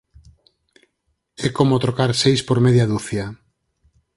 É como trocar seis por media ducia.